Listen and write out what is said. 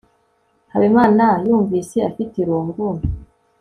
habimana yumvise afite irungu